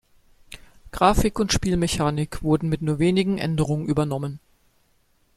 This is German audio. Grafik und Spielmechanik wurden mit nur wenigen Änderungen übernommen.